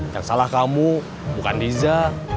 yang salah kamu bukan niza